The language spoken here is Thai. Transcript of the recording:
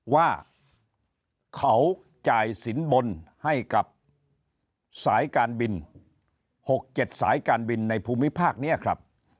ว่าเขาจ่ายสินบนให้กับสายการบิน๖๗สายการบินในภูมิภาคนี้ครับ